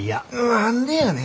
何でやねん。